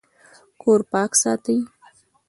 کور پاک ساتئ